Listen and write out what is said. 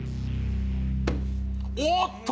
おっと！